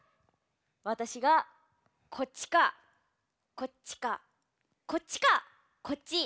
わたしがこっちかこっちかこっちかこっち。